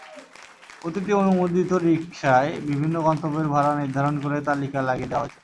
প্রতিটি অনুমোদিত রিকশায় বিভিন্ন গন্তব্যের ভাড়া নির্ধারণ করে তালিকা লাগিয়ে দেওয়া হয়েছে।